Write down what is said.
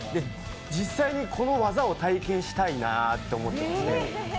実際にこの技を体験したいなと思って。